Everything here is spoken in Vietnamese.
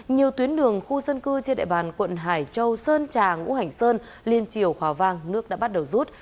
nhiều tuyến đường khu dân cư trên đại bàn quận hải châu sơn trà ngũ hành sơn liên triều hòa vang nước đã bắt đầu rút